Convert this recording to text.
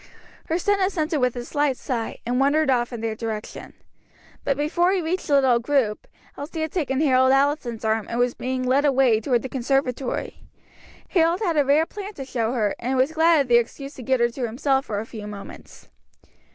Her son assented with a slight sigh, and wandered off in their direction. But before he reached the little group, Elsie had taken Harold Allison's arm and was being led away toward the conservatory. Harold had a rare plant to show her, and was glad of the excuse to get her to himself for a few moments.